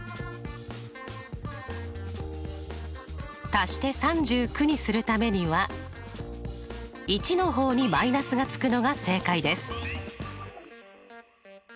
足して３９にするためには１の方に−がつくのが正解です。